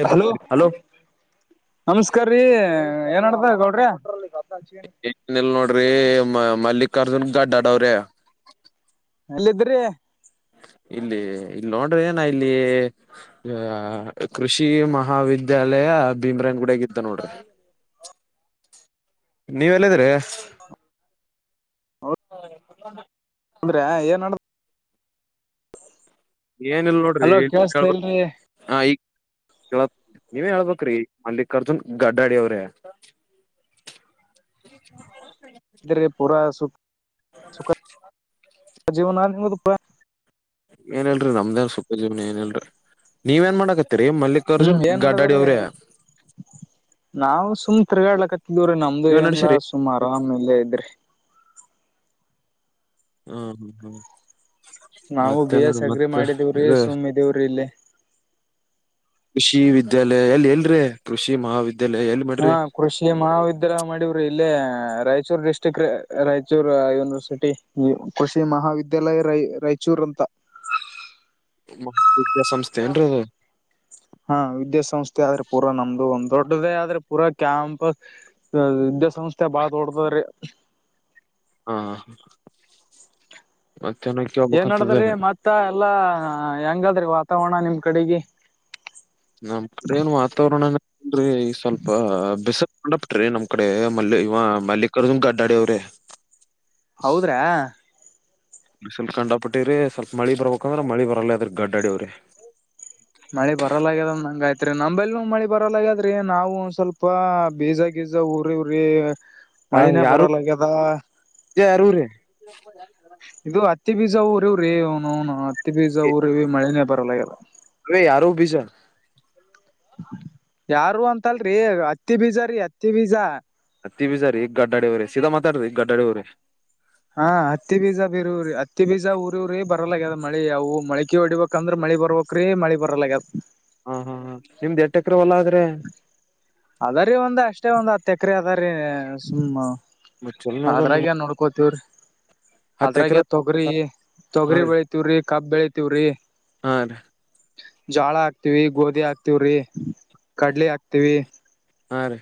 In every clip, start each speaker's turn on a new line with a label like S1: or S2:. S1: ಏ
S2: ಹಲೋ
S1: ಬರ್ತೀರಿ
S2: ನಮಸ್ಕಾರ್ರೀ ಏನಡ್ದ ಗೌಡ್ರೆ.
S1: ಏನಿಲ್ ನೋಡ್ರಿ ಮ ಮಲ್ಲಿಕಾರ್ಜುನ್ ಗಡ್ಡಡವ್ರೆ.
S2: ಎಲ್ಲಿದ್ರಿ
S1: ಇಲ್ಲಿ ಇಲ್ ನೋಡ್ರೆನ ಇಲ್ಲಿ ಯಾ ಕೃಷಿ ಮಹಾವಿದ್ಯಾಲ ಲಯ ಭೀಮ್ರೇನ್ ಗುಡ್ಯಾಗ್ ಇದ್ದ ನೋಡ್ರಿ.
S2: ಒ
S1: ನೀವ್ ಎಲ್ಲಿದ್ರಿ.
S2: ಅಂದ್ರೆ ಏನ್ಡ್
S1: ಏನಲ್ ನೋಡ್ರಿ
S2: ಹಲೋ ಕೇಳಿಸ್ತಾ ಇಲ್ರಿ
S1: ಆ ಈಗ್ ಕೇಳತ್. ನೀವೇ ಹೇಳ್ಬೇಕ್ರಿ ಮಲ್ಲಿಕಾರ್ಜುನ್ ಗಡ್ಡಾಡಿ ಅವ್ರೇ. [unintelligible]
S2: ಗ ಪೂರ ಸು ಸುಖ ಜೀವನ ಆಯ್ತಪ್ಪ
S1: ಏನಲ್ರಿೀ ನಮ್ದೇ ಏನು ಜೀವನ ಏನ್ಲ್ರರಿ ನೀವು ಏನ್ ಮಾಡಾಕತ್ತ ಇತ್ರ
S2: ಹ್ಮ್
S1: ಮಲ್ಲಿಕಾರ್ಜುನ್
S2: ಏನ್
S1: ಗಡ್ಡಾಡಿ
S2: ನಡದ್ರಿ
S1: ಅವ್ರೇ
S2: ಇದು್ರೀ ನಮ್ದು ಏನಿಲ್ಲ ಸುಮ ಆರಾಮೇಲೆ ಇದ್ರಿ
S1: ಹ ಹ ಹ ಹ
S2: ನಾವು ಬಿ
S1: ಮತ್ತೆನ
S2: ಎಸ್ ಅಗ್ರಿ
S1: ಮತ್ತೆ
S2: ಮಾಡಿದಿವ್ರಿ
S1: ಇದೆ
S2: ಸುಮ್ ಇದೀವ್ರಿ ಇಲ್ಲಿ
S1: ಕೃಷಿ ವಿದ್ಯಾಲಯ ಎಲ್ಲಿ ಎಲ್ರೇ ಕೃಷಿ ಮಹಾವಿದ್ಯ
S2: ಹಾ ಕೃಷಿ ಮಹಾವಿದ್ಯಾಲಯ ಮಾಡವ್ರಿ ಇಲ್ಲೇ ರಾಯಚೂರು ಡಿಸ್ಟ್ರಿಕ್ಟ್ ರಾಯಚೂರ್ ಯೂನಿವರ್ಸಿಟಿ ಕೃಷಿ ಮಹಾವಿದ್ಯಾಲಯ ರಾಯ ರಾಯಚೂರು ಅಂತ
S1: ಮಹ ವಿದ್ಯಾಾಸಂಸ್ಥೆ ಎಂದ್ರಿ ಅದು
S2: ಹಾ ವಿದ್ಯಾಸ ಸಂಸ್ಥೆ ಆದ್ರೆ ಪೂರಾ ನಮ್ದು ಒಂದ್ ದೊಡ್ಡ ದಡದೇ ಆದ್ರೆ ಪೂರಾ ಕ್ಯಾಂಪಸ್ ವಿದ್ಯಾಸಂಸ್ಥೆ ಬಾಳ ದೊಡ್ಡು ಅದರಿ
S1: ಹಾ ಮತ್
S2: ಏನ್ ಮಾಡದದ್ರಿ ಮತ್ತ ಎಲ್ಲಾ ಹೆಂಗಾದ್ರಿ ವಾತಾವರಣ ನಿಮ್ ಕಡೆಗೆ
S1: ನಮ್ ಕಡೆ ಏನು ವಾತಾವರಣ ಸ್ವಲ್ಪ ಬಿಸ ಬಿಟ್ರಿ ನಮ್ ಕಡೆ ಮಲ್ಲಿ ಇವ ಮಲ್ಲಿಕಾರ್ಜು ಗಡ್ಡಾಡಿ ಅವ್ರೆ
S2: ಹೌದ್ರಾ
S1: ಸ್ವಲ್ಪ ಕಂಡಾಪಿಟ್ಟಿ್ರೀ ಸ್ವಲ್ಪ ಮಳಿ ಬರ್ಬೇಕ ಅಂದ್ರ ಮಳಿ ಬರಲ್ಲ ಅದ್ರ ಗಡ್ಡಾಡಿಯವ್ರೆ
S2: ಮಳೆ ಬರಲ್ಲಾಗ್ಯದ್ ನಂಗ ಆಯ್ತು ಅ ನಂಬಲ್ನೂ ಮಳಿ ಬರಲ್ಲ ಹಾಗಾದ್ರಿ ನಾವು ಒಂದ ಸ್ವಲ್ಪ ಬೀಜ ಗೀಜ ಉರಿವ್ರಿ
S1: ಹ
S2: ಮಳಿನೇ
S1: ಯಾರು
S2: ಬರಲಾಗ್ಯದ
S1: ಬೀಜ ಯಾರು ರೀ
S2: ಇದು ಹತ್ತಿ ಬೀಜ ಊರಿ ಇವ್ರೀನುನು ಹತ್ತಿ ಬೀಜ ಊರಿೀ ಮಳೆನೇ ಬರಲಾಗ್ಯದ
S1: ಅ ಯಾರುವು ಬೀಜ
S2: ಯಾರು ಅಂತಲ್ರರಿ ಅತ್ತಿ ಬೀಜ್ರೀ ಅತ್ತಿ ಬೀಜ
S1: ತ್ತ ಬಜಾರಿ ಈ ಗಡ್ಡಡಿ ಹೋರೆ ಸಿದ ಮಾತಾದ್ರಿ ಈ ಗಡ್ಡಡಿ ೋರೆ
S2: ಹಾ ಹತ್ತಿ ಬೀಜ ಬೀರೂ್ರರಿ ಹತ್ತಿ ಬೀಜ ಉಊರಿೂಊ್ರರಿ ಬರಲ್ಲಾಗ್ಯದ ಮಳಿ ಅವು ಮಳಕಿ ಹೊಡಿಬೇಕಂದ್ರೆ ಮಳಿ ಮಳಿ ಬರ್ಬಕ್್ರೀ ಮಳಿ ಬರಲಗ್ಯದ
S1: ಹಾ ಹಾ ಹ ನಿಮ್ದ್ ಎಟ್ಟ ಎಕ್ರವಲ್ಲ ಆದ್ರೆ
S2: ಅದ್ರೀ ಒಂದ ಅಷ್ಟೇ ಒಂದ್ ಹ ತಕ್ರೆ ಅದಾರೀ ಸುಮ್ಮ
S1: ಮತ್ ಚಲೋನೆ ಅದಲ್ರಿ
S2: ಅದ್ರಾಗ ನೋಡ್ಕೋತವ್ರಿ
S1: ಹತ್ತ್ ಎಕರೆ
S2: ಅದ್ರಾಗ ತೊಗರಿ
S1: ಹಾ
S2: ತೊಗರಿ ಬೆಳಿತವ್ರಿ ಕಬ್ ಬೆಳಿತವ್ರಿ
S1: ಆ ರಿ
S2: ಜೋಳ ಹಾಕ್ತಿವಿ ಗೋಧಿ ಹಾಕ್ತಿವ್ರಿ ಕಡ್ಲೆ ಹಾಕ್ತಿವಿ
S1: ಹಾ ರೀ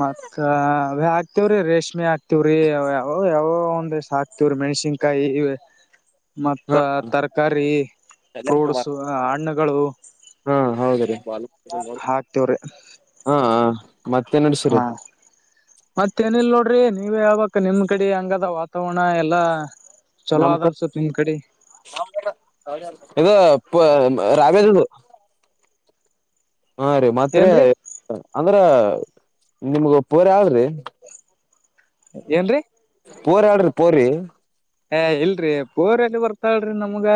S2: ಮತ್ತ ಹಾಕ್ತಿವ್ರೀ ರೇಷ್ಮೆ ಹಾಕ್ತಿವ್ರಿಾವ ಯಾವೋ ಒಂದ ಹಕ್ತಿವ್ರಿ ಮೆಣ್ಸಿನ್ ಕಾಯಿ ಮತ್ತ ತರಕಾರಿ ಫೋಡ್ಸು ಹಣ್ಣುಗಳು
S1: ಹಾ ಹೌದ ರೀ
S2: ಹಾಕ್ತಿವ್ರಿ
S1: ಹಾ ಮತ್ತೆ ನಡ್ಸಿರಿ
S2: ಹಾ ಮತ್ತೇನೂ ಇಲ್ಲ ನೋಡ್ರಿ ನಡ್ರಿ ನೀವು ಯಾವಕ್ ನಿಮ್ ಕಡೆ ಹಂಗಾದ ವಾತಾವರಣ ಎಲ್ಲಾ ಚಲೋ
S1: ನಮ
S2: ಅದ ಅನ್ಸತ್ ನಿಮ್ ಕಡೆ
S1: ಇದು ರದು ಹಾ ರ ಮಾತ್ರ ಹ ರಿ ಮತ್ತೇರಿ
S2: ಏನ್ರೀ
S1: ಅಂದ್ರ ನಿಮ್ಗ ಪೂರ ಯಾವ್ರಿ
S2: ಏನ್ರಿ
S1: ಪೋರ್ ಆಡ್ರಿ ಪೋರಿರಿ
S2: ಏ ಇಲ್ರಿ ಪೂರ್್ಯದ ಬರ್ತಾಳೀ ನಮ್ಗ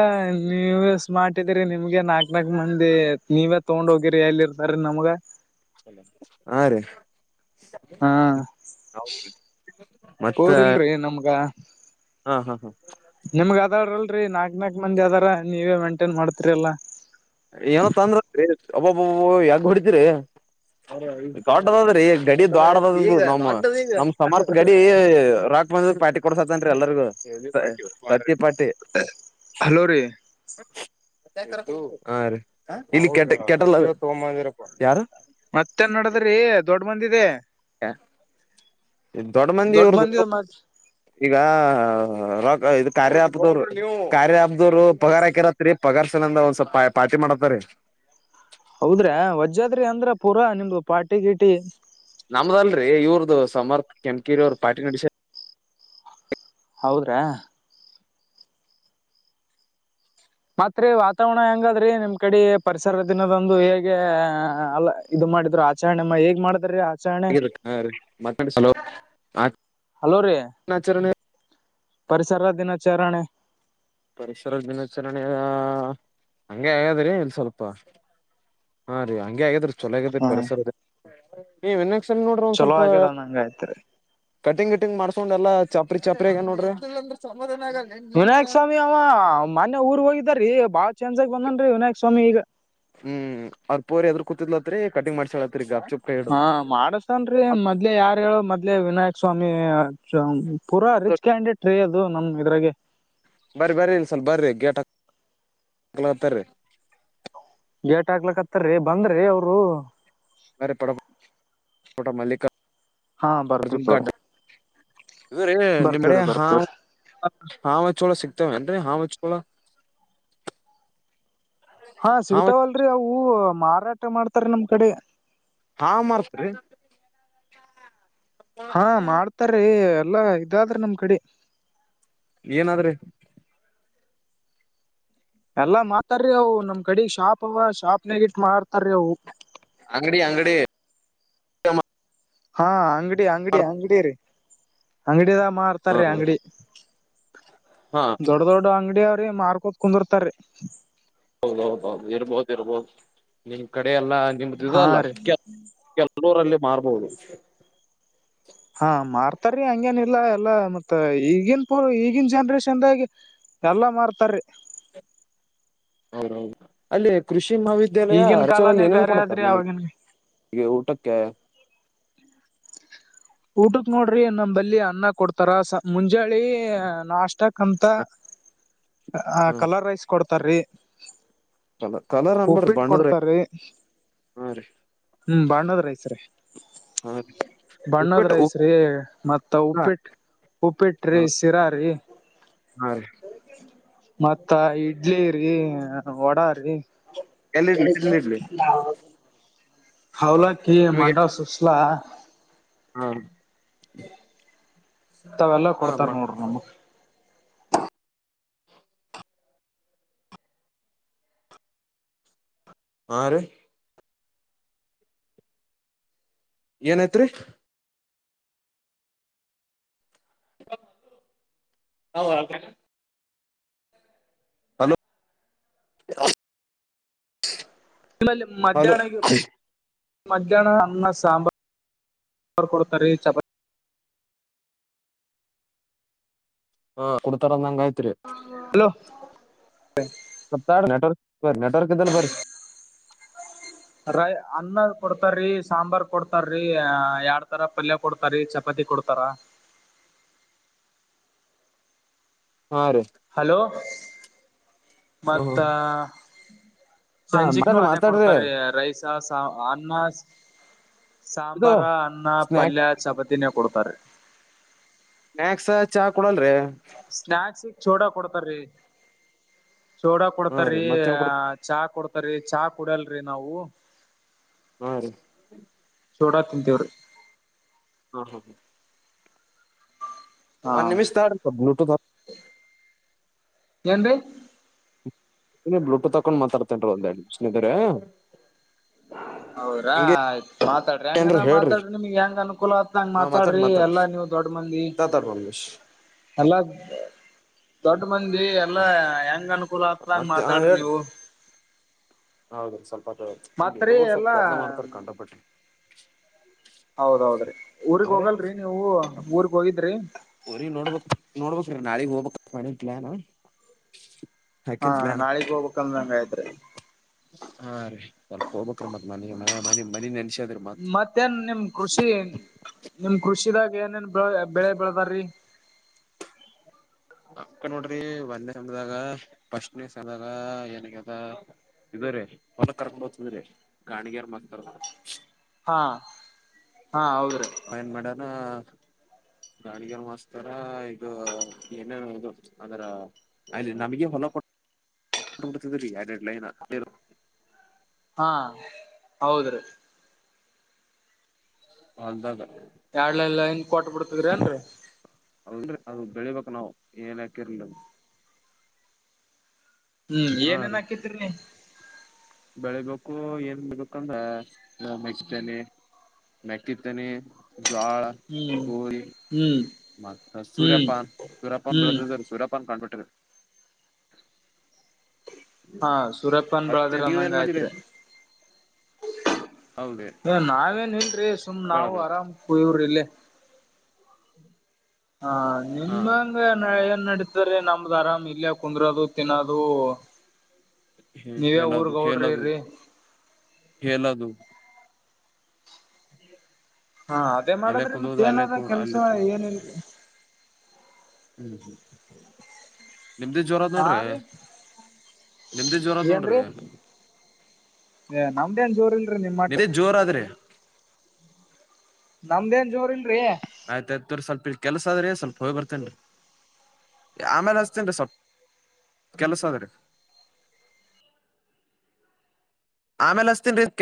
S2: ನೀವು ಮಾಡ್ಿದಿರಿ ನಿಮ್ಗೆ ನಾಕ್ ನಾಕ ಅಂದೆ ನೀವೇ ತಗೊಂಡ್ ಹೋಗಿರಿ ಎಲ್ಲಿ ಇರ್ತಾರ ನಮ್ಗ
S1: ಹಾ ರೀ
S2: ಹಾ
S1: ಮತ್ತ
S2: ಪೋರಿಲ್ರಿ ನಮ್ಗ
S1: ಹ ಹಾ ಹಾ
S2: ನಿಮಗ ಅದಾಡಲ್ರರಿ ನಾಕ್ ನಾಕ್ ಮಂದಿ ಅದಾರ ನೀವೇ ಮೇಂಟೇನ್ ಮಾಡ್ತರಿ ಅಲ್ಲ
S1: ಏನೋ ತಂದ್ರೀ ಒಬ್ಬೊಬ್ಬ ಯಾಗ ಹೊಡಿತರಿ ದೊಡ್ಡದಾದ್ರೀ ಈ ಗಡಿ ದೊಡ್ಡ ನ ನಮ ಸಮರ್ಥ ಗಡಿ ಬಂದ ಪಟಿ ಕೊಡಸತ್ತನ್ರಿ ಎಲ್ಲರಿಗೂ ಪಟಿ
S2: ಹಲೋ ರೀ
S1: ಹಾ ರೀ ಇಲ್ಲಿ ಕೆ ಕೆ ಯಾರು
S2: ಮತ್ತೇನ್ ನಡದ್ರಿ ದೊಡ್ ಮಂದಿದೆ
S1: ಹ ಇ ದೊಡ್ಡ ಮಂದಿ ಇರದು ಈಗ ರ ಇದ ಕಾರ್ಯ ಅಪ್ದವರು ಕಾರ್ಯ ಅಪ್ದವರು ಪಗಾರ ಹಾಕಿರತ್ರಿ ಪಗಾರ್ಸನಂದ ಒಂದ್ ಸ್ವಲ್ ಪಾರ್ಟಿ ಮಾಡತಾರರಿ
S2: ಹೌದ್ರೆ ವಜಾದ್ರಿ ಅಂದ್ರ ಪೂರಾ ನಿಮ್ದು ಪಾಟಿ ಗೀಟಿ
S1: ನಮ್ದಲ್ರರಿ ಇವ್ರ್ದ ಸಮರ್ಥ ಕೆಂಕಿರಿ ಅವ್ರ ಪಾರ್ಟಿ ನಡಸ
S2: ಹೌದ್ರಾ ಮತ್ರಿ ವಾತಾವರಣ ಹೆಂಗಾದ್ರಿ ನಿಮ್ ಕಡೆ ಪರಿಸರ ದಿನದಂದು ಹೇಗೆ ಅಲ್ಲ ಇದು ಮಾಡಿದ್ರು ಆಚರಣೆಮ್ಮ ಹೇಗ್ ಮಾಡ್ರೀ
S1: ಹ ಹ ರೀ ಮತ್ತಲೋ
S2: ಹಲೋ ರೀ
S1: ಆಚಾರ
S2: ಪರಿಸರ ದಿನಾಚರಣೆ
S1: ಪರಿಸರದ ದಿನಾಚರಣೆ ಹಂಗೆ ಆಗಾದ್ರಿ ಇಲ್ಲಿ ಸ್ವಲ್ಪ ಹಾ ರೀ ಹಂಗೆ ಆಗೇರಿ ಚೊಲೋ ಆಗೇದರಿ
S2: ಹ್ಮ್
S1: ಪರಿಸರ ನೀವ ನೋಡ್ರೆ ಒಂದ್
S2: ಚಲೋ
S1: ಸ್ವಲ್ಪ
S2: ಆಗ್ಯದ ನಂಗ ಆಯ್ತ್ರಿ
S1: ಕಟಿಂಗ್ ಕಟಿಂಗ್ ಮಾಡ್ಸ್ಕೊಂಡ್ ಎಲ್ಲಾ ಚಾಪ್ರಿ ಚಾಪರಿ ಆಗ ನೋಡ್ರಿ
S2: ವಿನಾಯಕ್ ಸ್ವಾಮಿ ಅವ ಮನ್ಯ ಊರ್ ಹೋಗಿದಾರೀ ಬಾಳ ಚೇಂಜ್ ಆಗಿ ಬಂದನ್ ವಿನಾಯಕ್ ಸ್ವಾಮಿ ಈಗ
S1: ಹ್ಮ್ ಅವ್ರ ಪೋರ್ ಎದ್ರರು ಕೂತಿದ್ಲತ್ರಿ ಕಟಿಂಗ್ ಮಾಡ್ಸಳಲತ್ರಿ ಈಗ
S2: ಹಾ ಮಾಡಸ್ತನ್ ಮೊದ್ಲೆೇ ಯಾರ್ ಹೇಳು ಮೊದ್ಲೆೇ ವಿನಾಯಕ್ ಸ್ವಾಮಿ ಪೂರಾ ರಿಚ್ ಕ್ಯಾಂಡಿಟ್ ರೀ ಅದು ನಮ್ ಇದ್ರಾಗ
S1: ಬರರಿ ಬ್ರರಿ ಇನ್ ಸ್ಲ್ ಬರ್ರಿ ಗೇಟ್ ಹತರಿರಿ
S2: ಗೇಟ್ ಹಾಕ್ಲಕ್ತ್ತಾರರಿ ಬಂದ್ರಿ ಅವರು
S1: ಮರೆ ಪಡ ಪಟ ಮಲ್ಲಿಕ
S2: ಹಾ ಬರ್ತಿ ತೋಗೋರೀ
S1: ಇದು ನಿಮ್ಮಡೆ ಹಾ ಹಾವ ಚೋಳ ಸಿಗ್ತೇವೆ ನ್ರಿ ಹಾವ ಚಳ ಕೊಲ [unintelligible]
S2: ಹಾ ಸಿಗ್ತಾವಲ್ರರಿ ಅವು ಮಾರಾಟ ಮಾಡ್ತಾರ ನಮ್ ಕಡೆ
S1: ಹಾ [unintelligible]
S2: ಹಾ ಮಾಡ್ತಾರೀ ಎಲ್ಲಾ ಇದಾದ್ರಿ ನಮ್ ಕಡೆ
S1: ಏನಾದ್ರೂ
S2: ಎಲ್ಲಾ ಮಾಡ್ತಾರೀ ಅವು ನಮ್ ಕಡೆ ಶಾಪ್ ಅವವ ಶಾಪ್ ನಗ ಇಟ್ ಮಾಡ್ತಾರೀ ಅವು
S1: ಆಂಗಡಿ ಆಂಗಡಿ
S2: ಹಾ ಅಂಗಡಿ ಅಂಗಡಿ ಅಂಗಡಿ ರೀ ಅಂಗಡಿದ ಮಾರ್ತಾರೀ ಅಂಗಡಿ
S1: ಹಾ
S2: ದೊಡ್ಡ ದೊಡ್ಡ ಅಂಗಡಿಯ ಅವ್ರಿ ಮಾರ್ಕೂತ್ ಕುಂದಿರ್ತಾರಿ
S1: ಹೌದೌದೌದು ಇರ್ಬೋದು ಇರ್ಬೋದು ನಿಮ್ ಕಡೆ ಎಲ್ಲಾ ನಿಮ್ದ
S2: ಹಾ
S1: ಅಲ್ಲ
S2: ರೀ
S1: ಕೆ ಕೆಲರಲ್ಲಿ ಮಾರ್ಬಹುದು
S2: ಹಾ ಮಾರ್ತಾರೀ ಹಂಗೇನ ಇಲ್ಲಾ ಎಲ್ಲಾ ಮತ್ತ ಈಗನ್ ಪ ಈಗನ್ ಜನ್ರೇಷನ್ದಾಗ ಎಲ್ಲ ಮಾರ್ತಾರೀ
S1: [unintelligible] ಅಲ್ಲಿೇ ಕೃಷಿ ಕೃ ಮಹಾವಿದ್ಯಾಲಯ
S2: ಈಗಿನ
S1: ರಚರಲ್ಲಿ
S2: ಕಾಲಾನೇ
S1: ಏನೇನ್
S2: ಬೇರೆ
S1: ಕೊಡತಾರೆ
S2: ಆದ್ರಿ
S1: ನಿಮಗೆ
S2: ಅವಾಗಿನ್
S1: ಈಗ ಊಟಕ್ಕೆ
S2: ಊಟಕ್ ನೋಡ್ರಿ ನಮ ಬಲ್ಲಿ ಅನ್ನ ಕೊಡ್ತಾರ ಮುಂಜಾಳಿ ನಾಷ್ಟಕ್ ಅಂತ ಕಲರ್ ರೈಸ್ ಕೊಡ್ತಾರೀ
S1: ಕಲರ್ ಕಲರ್ ಅನ್ಬಾರ್ದ
S2: ಉಪ್ಪಿಟ್ಟ
S1: ಬಣ್ಣದ್ರಿ
S2: ಕೊಡ್ತಾರೀ
S1: ಹಾ ರೀ
S2: ಹ್ಮ್ ಬಣ್ಣದ ರೈಸ್
S1: ಹಾ ರೀ
S2: ಬಣ್ಣದ್
S1: ಉಪ್ಪಿಟ್ಟು
S2: ರೈಸ್ ರೀ ಮತ್ತ
S1: ಉಪ್ಪ
S2: ಉಪ್ಪಿಟ್ಟ ಉಪ್ಪಿಟ್ಟ್ರೀ ಸಿರಾರೀ
S1: ಹಾ ರೀ
S2: ಮತ್ತ ಇಡ್ಲಿ ರೀ ವಡಾ ರೀ.
S1: ಎಲ್ಲಿ ಇಡ್ಲಿ ಎಲ್ಲಿ ಇಡ್ಲಿ
S2: [unintelligible] ಅವ್ಲಕ್ಕಿ
S1: ನಿಮಗೆ
S2: ಮಂಡ ಸುಸ್ಲ.
S1: ಹಾ
S2: ತವೆಲ್ಲ
S1: ಹಾ
S2: ಕೊಡ್ತಾರ ನೋಡ್ರಿ ನಮಗೆ
S1: ಹಾ ರೀ ಏನೈತ್ರಿ? ಹೌ [unintelligible] ಹಲೋ [inaudible]
S2: ಇಲ್ಲ
S1: ಹಲೋ
S2: ಮಧ್ಯಾನಾಗ್ಯವ್ ಮಧ್ಯಾಹ್ನ ಅನ್ನ ಸಾಂಬಾರ್ ಕೊಡ್ತಾ ರೀ ಚಪಾತಿ
S1: ಹಾ ಕೊಡ್ತಾರಂದಂಗಾಯ್ತ್.
S2: ಹಲೋ
S1: ಸ ನೆಟ್ವರ್ಕ್ ಬರಿ ನೆಟ್ವರ್ಕ್ ಇದ್ದಲ್ ಬರ್ರೀ
S2: ರೈ ಅನ್ನ ಕೊಡ್ತಾರೀ ಸಾಂಬಾರ್ ಕೊಡ್ತಾರ್ರೀ ಎರಡ್ ತರ ಪಲ್ಯ ಕೊಡ್ತಾರೀ ಚಪಾತಿ ಕೊಡ್ತಾರಾ.
S1: ಹಾ ರೀ
S2: ಹಲೋ ಮತ್ತ
S1: ಹ್ಮ ಹಾ
S2: ಚಂಜಿಕನೂ
S1: ಮಾತಾಡ್ರಿ
S2: ಅದೇ
S1: ಮಾತಾಡ್ರಿ
S2: ಕೊಡ್ತಾರೀ ರೈಸ್ ಅನ್ನ
S1: ಇದು
S2: ಸಾಂಬಾರ ಅನ್ನ
S1: ಸ್ನಾಕ್
S2: ಪಲ್ಯ ಚಪತಿನ ಕೊಡೊದು. ತರೆ.
S1: ಸ್ನಾಕ್ಸ್ ಚಾ ಕೊಡಲ್ರೀ.
S2: ಸ್ನಾಕ್ಸಿಗೆ ಚೂಡ ಕೊಡ್ತಾರೀ. ಚೂಡಾ
S1: ಹಾ
S2: ಕೊಡ್ತಾರೀ
S1: ರೀ ಮತ್ತೇನ್ ಕೊಡ್
S2: ಚಾ ಕೊಡ್ತಾರೀ ಚಹ ಕುಡಲ್ರಿ ನಾವು.
S1: ಹಾ ರೀ
S2: ಚೋಡಾ ತಿಂತಿವರೀ.
S1: ಹ್ಮ ಹ್ಮ ಹ
S2: ಹಾ
S1: ಒಂದ್ ನಿಮಿಷ್ ತಾಳ್ರಿ ಬ್ಲೂಟೂತ್ ಹಾಕ್
S2: ಎನ್ರಿ
S1: ಇನ ಬ್ಲೂಟೂತ್ತಾಕೊಂಡ್ ಮಾತಾಡ್ತೇನ್ರ ಒಂದ್ ಎರಡ್ ನಿಮ್ಷ ಇದ್ರ.
S2: ಹೌದ್ರಾ ಆಯ್ತು. ಮಾತಾಡ್ರಿ
S1: ಏನ್ರಿ
S2: ಹೆಂಗನ
S1: ಹೇಳ್ರಿ
S2: ಮಾತಾಡ್ರಿ ನಿಮ್ಗ್ ಹೆಂಗ್ ಅನುಕೂಲ ಆತ್ ಹಂಗ
S1: ಹಾ ಮಾತಾಡ್
S2: ಮಾತಾಡ್ರಿ
S1: ಮಾತಾಡ್
S2: ಎಲ್ಲ ನೀವು ದೊಡ್ಡ ಮಂದಿ.
S1: [unintelligible]
S2: ಅಲ್ಲ ದೊಡ್ಡ ಮಂದಿ
S1: ಹ
S2: ಎಲ್ಲಾ ಹೆಂಗನ್ ಕೂಲಾದಂಗ ಮಾತಾಡ್ರಿ ನೀವು
S1: ಹೌದ್ರೀ ಸ್ವಲ್ಪ ಇಲ್ಲಿ
S2: ಮತ್ರಿ
S1: ಹುಡುಗ್ರು ಸ್ವಲ್ಪ
S2: ಎಲ್ಲಾ
S1: ಗದ್ಲ ಮಾಡ್ತಾರ್ ಕಂಡಪಟ್ಟಿ.
S2: ಹೌದೌದ್ರಿ ಊರ್ಗ್
S1: ಹಾ ರೀ
S2: ಹೋಗಲ್ರಿ ನೀವು ಊರ್ಗ್ ಹೋಗಿದ್ರಿ.
S1: ಊರಿಗ್ ನೋಡ್ಬೇಕ್ ನೋಡ್ಬೇಕ್ರಿ ನಾಳಿಗ್ ಹೋಗ್ಬೇಕ ಅಂತ ಮಾಡೀನ್ ಪ್ಲಾನು.
S2: ಹಾ ನಾಳಿಗ್ ಹೋಗ್ಬೇಕಕ್ಂದಂಗಾಯತ್ರಿ.
S1: ಹಾ ರೀ ಸ್ವಲ್ಪ ಹೋಗ್ಬೇಕ್ರಿ ಮತ್ ಮನೆ ಮ ಮ ಮನಿ ನೆನ್ಸ್
S2: ಮತ್ತೇನ್ ನಿಮ್ ಕೃಷಿ? ಕೃಷಿದಾಗ ಏನೇನ್ ಬೆಳೆ ಬೆಳದಾರ್ರಿ?
S1: ಅಕ್ಕ ನೋಡ್ರಿ ಒಂದ ಸಮದಾಗ ಫಸ್ಟ್ನೇ ಸದಾಗ ಏನಗ್ಯದ? ಇದೇರಿ ಹೊಲ ಕರ್ಕೊಂಡೋಗ್ತದ್ರೀ ಗಾಣಗ್ಯಾರ ಮಾಡ್ತಾರ.
S2: ಹಾ ಹಾ ಹೌದ್ರಿ
S1: ಆ ಏನ್ ಮಾಡ್ಯಾನ ಗಾಡಿಗ ಮಾಸ್ತರ ಇದು ಏನೇನು ಇದು ಅದರ ಅಲ್ಲಿ ನಮಗೆ ಹೊ [unintelligible] ಎರ್ಡ್ರೆಡ್ ಲೖನ
S2: ಹಾ ಹೌದ್ರೀ.
S1: ಹೊಲ್ದಾಗ
S2: ಎಡ್ಲೆಲ್ಲಾ ಲೈನ್ ಕೊಟ ಬಿಡ್ತದ್ರಿ ಏನ್ರರಿ
S1: ಹೌದ್ರಿ ಅದು ಬೆಳಿಬೇಕ ನಾವು ಏನ್ ಯಾಕಿರ್ಲಿ
S2: ಹ್ಮ್
S1: ಹಾ
S2: ಏನೇನ್
S1: ರೀ
S2: ಹಾಕದ್ರಿರಿ
S1: ಬೆಳಿಬೇಕು ಏನ್ ಬೆಳಿಬೇಕಂದ ಮೆಕ್ಕಿತೆನಿ ಮೆಕ್ಕಿತ್ತನಿ ಜ್ವಾಳ
S2: ಹ್ಮ್
S1: ಗೋದಿ
S2: ಹ್ಮ್
S1: ಮತ್ತೆ
S2: ಹ್ಮ್
S1: ಸೂರ್ಯಪ್ಪನ್ ಸೂರಪ್ಪನ್
S2: ಹ್ಮ್
S1: ಬೆಳೆದಿದ ಸೂರ್ಯಪ್ಪನ್ ಕಂಡ್ಬಿಟ್ಟ ರೀ
S2: ಹಾ ಸುರಪನ್ ಬೆಳದ್ರಿ
S1: ನೀವ
S2: ಅಂದಂಗ
S1: ಏನ್ ಮಾಡಿರಿ
S2: ಆಯ್ತ್ರಿ
S1: ಹೌದ
S2: ಏ ನಾವೇನ್ ಇಲ್ರೀ ಸುಮ್ ನಾವು
S1: ಬೆಳದು
S2: ಆರಾಮ್ ಇವ್ರಿ ಇಲ್ಲೆ ಹಾ
S1: ಹಾ
S2: ನಿಮಂಗ ಏನ್ ನಡೀತದರಿ ನಮ್ದ ಆರಾಮ್ ಇಲ್ಲೆ ಕುಂದ್ರದು ತಿನ್ನೋದು
S1: ಹ
S2: ನೀವೇ
S1: ಹೇಲದು ಹೇಲದು
S2: ಊರ್ಗೌಡ್ರಿರಿ
S1: ಹೇಲದು
S2: ಹಾ ಅದೇ
S1: ಅಲೇ
S2: ಮಾಡದ್ರಿ ಮತ್
S1: ಕುಂದ್ರದು ಅಲೇ
S2: ಏನದ ಕೆಲ್ಸ
S1: ತೊಕ
S2: ಏನಿಲ್ರಿ
S1: ಹ್ಮ್ ಹ್ಮ್ ನಿಮ್ದೆ ಜೋರಾದ
S2: ಹಾ
S1: ನೋಡ್ರಿ
S2: ರೀ
S1: ನಿಮ್ದೆ ಜೋರದ ನೋಡ್ರಿ
S2: ಏನ್ರೀ ನಮ್ದೇನ ಜೋರಿಲ್ಲ
S1: ನಿಮ್ಮದೆ ಜೋರಾದ್ರಿ
S2: ನಮ್ದೇನ್ ಜೋರಲ್ಲರಿ
S1: ಆಯ್ತಾಯ್ತ್ ತೋರಿ ಸ್ವಲ್ಪ ಇಲ್ಲ ಕೆಲ್ಸ ಆದ್ರಿ ಸ್ವಲ್ಪ ಹೋಗಿ ಬರ್ತೇನ್ರಿ ಆಮೇಲೆ ಹಚ್ತೇನರಿ ಸ್ವಲ್ ಕೆಲಸ ಅದ್ರೀ ಆಮೇಲೆ ಅಚ್ಚತೀನರೀ ಕೆ